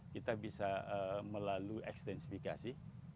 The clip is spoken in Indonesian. kita bisa melalui extensifikasi